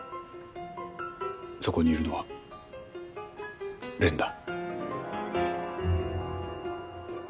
そこにいるのは蓮だ。